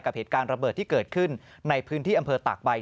เหตุการณ์ระเบิดที่เกิดขึ้นในพื้นที่อำเภอตากใบ